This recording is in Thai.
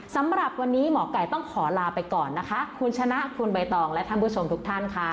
สำหรับวันนี้หมอไก่ต้องขอลาไปก่อนนะคะคุณชนะคุณใบตองและท่านผู้ชมทุกท่านค่ะ